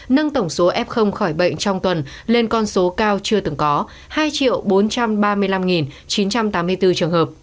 nâng tổng số f khỏi bệnh trong tuần lên con số cao chưa từng có hai bốn trăm ba mươi năm chín trăm tám mươi bốn trường hợp